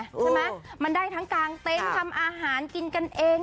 ใช่ไหมมันได้ทั้งกลางเต็นต์ทำอาหารกินกันเอง